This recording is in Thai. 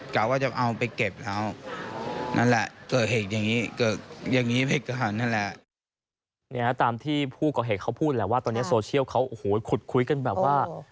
กะว่าก็เอาไปเก็บแล้ว